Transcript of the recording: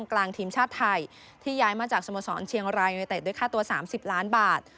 กลางทีมชาติไทยที่ย้ายมาจากสโมสรเชียงรายยูเต็ดด้วยค่าตัว๓๐ล้านบาท